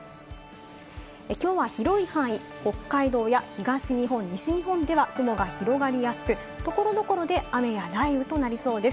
きょうは広い範囲、北海道や東日本、西日本では雲が広がりやすく、所々で雨や雷雨となりそうです。